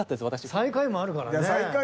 最下位もあるからね。